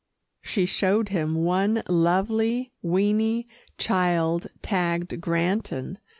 She showed him one lovely, weeny child tagged Granton.